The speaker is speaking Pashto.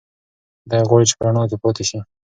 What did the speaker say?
دی غواړي چې په رڼا کې پاتې شي.